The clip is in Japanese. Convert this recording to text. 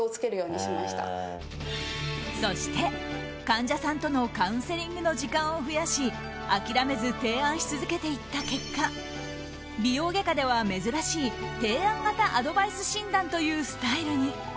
そして、患者さんとのカウンセリングの時間を増やし諦めず提案し続けていった結果美容外科では珍しい提案型アドバイス診断というスタイルに。